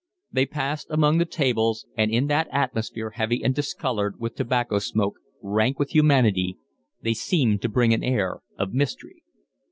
They passed among the tables, and in that atmosphere heavy and discoloured with tobacco smoke, rank with humanity, they seemed to bring an air of mystery.